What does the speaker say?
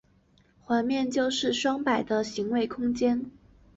环面就是双摆的位形空间。